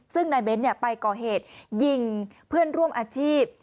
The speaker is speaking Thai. ซึ่งนายเบ้นไปก่อเหตุยิงเพื่อนร่วมอาชีพ